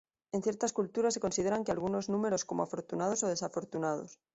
En ciertas culturas se consideran que algunos números como afortunados o desafortunados.